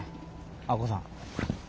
明子さん。